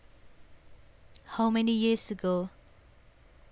HOW MANY YEARS AGO?